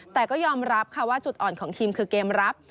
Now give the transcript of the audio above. แต่ก็ยอมรับค่ะว่าจุดอ่อนของทีมคือเกมรับ